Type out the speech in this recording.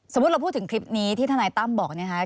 สมมุติเราพูดถึงคลิปนี้ที่ท่านายตั้มบอกเนี่ยค่ะ